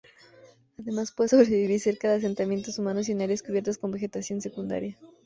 Además, puede sobrevivir cerca de asentamiento humanos y en áreas cubiertas con vegetación secundaria.